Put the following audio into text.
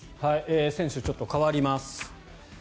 選手ちょっと変わります。